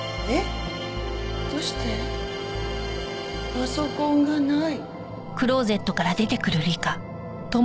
パソコンがない。